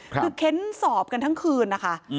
คือเค้นสอบกันทั้งคืนนะคะ